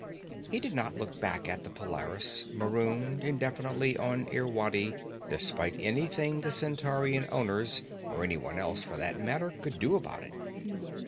He did not look back at the Polaris, marooned indefinitely on Irwadi despite anything the Centaurian owners or anyone else for that matter could do about it.